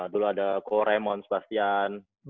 dulu ada ko raymond sebastian